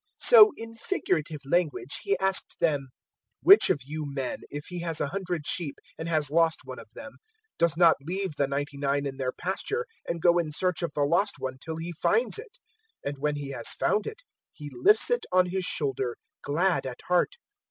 015:003 So in figurative language He asked them, 015:004 "Which of you men, if he has a hundred sheep and has lost one of them, does not leave the ninety nine in their pasture and go in search of the lost one till he finds it? 015:005 And when he has found it, he lifts it on his shoulder, glad at heart.